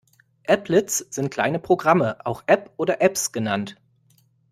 Applets sind kleine Programme, auch App oder Apps genannt.